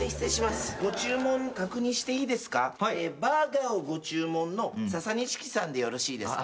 バーガーをご注文のササニシキさんでよろしいですか？